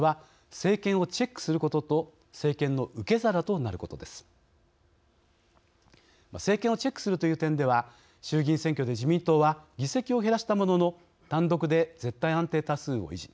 政権をチェックするという点では衆議院選挙で自民党は議席を減らしたものの単独で絶対安定多数を維持。